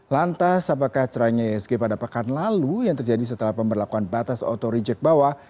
lantas apakah cerahnya isg pada pekan lalu yang terjadi setelah pemberlakuan batas auto reject bawah